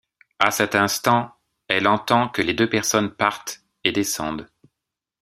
À cet instant, elle entend que les deux personnes partent et descendent.